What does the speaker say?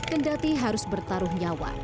kendati harus bertaruh nyawa